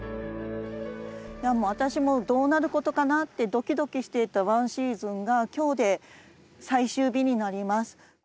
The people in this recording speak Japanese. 私もどうなることかなってドキドキしていた１シーズンが今日で最終日になります。